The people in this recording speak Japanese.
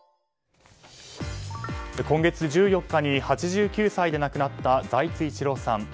今月１４日に８９歳で亡くなった財津一郎さん。